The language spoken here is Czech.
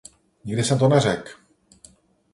Nikdy jsem to neřekl!